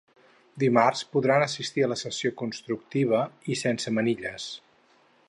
Dimarts podran assistir a la sessió constructiva i sense manilles.